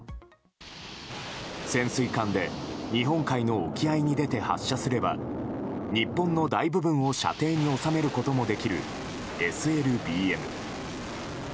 潜水艦で日本海の沖合に出て発射すれば日本の大部分を射程に収めることもできるＳＬＢＭ。